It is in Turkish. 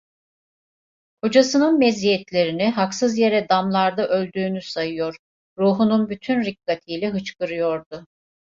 Kocasının meziyetlerini, haksız yere damlarda öldüğünü sayıyor, ruhunun bütün rikkatiyle hıçkırıyordu.